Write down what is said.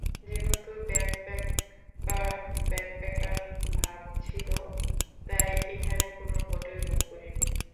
যেহেতু backpacker backpacker ভাব ছিল তাই এখানে কোনো হোটেল বুক করিনি।